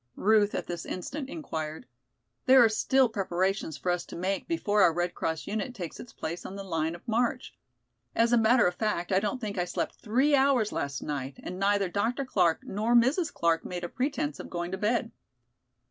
Ruth at this instant inquired. "There are still preparations for us to make before our Red Cross unit takes its place in the line of march. As a matter of fact I don't think I slept three hours last night, and neither Dr. Clark nor Mrs. Clark made a pretence of going to bed."